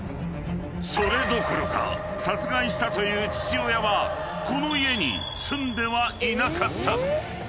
［それどころか殺害したという父親はこの家に住んではいなかった］